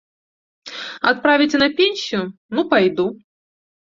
Адправіце на пенсію, ну пайду.